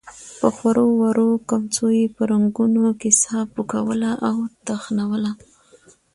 په خورو ورو کمڅو يې په رګونو کې ساه پوکوله او تخنوله.